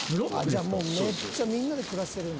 じゃあもうめっちゃみんなで暮らしてるんだ。